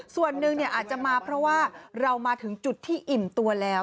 ส่วนหนึ่งอาจจะมาเพราะว่าเรามาถึงจุดที่อิ่มตัวแล้ว